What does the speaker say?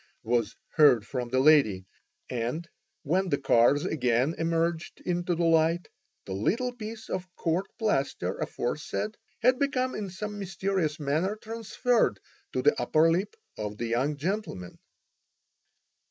was heard from the lady, and when the cars again emerged into the light, the little piece of court plaster aforesaid had become in some mysterious manner transferred to the upper lip of the young gentleman.